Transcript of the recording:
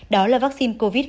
đó là vaccine covid pfizer